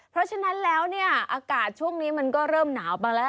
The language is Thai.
เพราะฉะนั้นแล้วเนี่ยอากาศช่วงนี้มันก็เริ่มหนาวบ้างแล้ว